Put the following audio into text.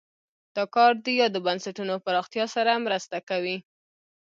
دا کار د یادو بنسټونو پراختیا سره مرسته کوي.